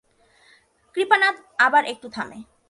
কৃপানাথ আবার একটু থামে!